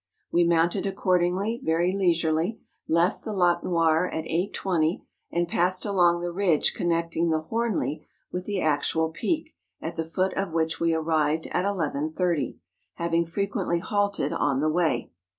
We mounted accordingly very leisurely, left the Lac Noir at 8.20, and passed along the ridge connecting the Hdrnli with the actual peak, at the foot of which we arrived at 11.30, having frequently halted on the way.